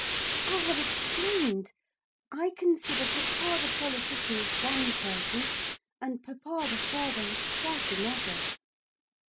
'I have explained; I consider papa the politician as one person, and papa the father as quite another.